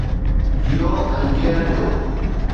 جيئو ۽ جيئڻ ڏيو